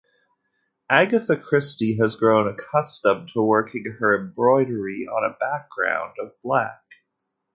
Agatha Christie has grown accustomed to working her embroidery on a background of black.